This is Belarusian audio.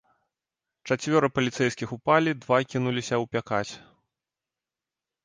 Чацвёра паліцэйскіх упалі, два кінуліся ўпякаць.